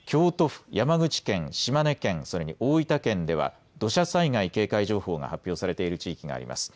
京都府、山口県、島根県、それに大分県では土砂災害警戒情報が発表されている地域があります。